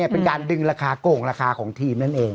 เป็นการดึงราคาโก่งราคาของทีมนั่นเอง